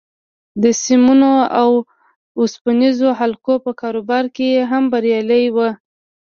د سيمونو او اوسپنيزو حلقو په کاروبار کې هم بريالی و.